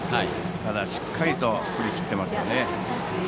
ただ、しっかりと振り切っていますよね。